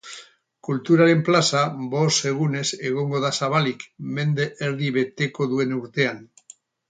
Kulturaren plaza bost egunez egongo da zabalik mende erdi beteko duen urtean.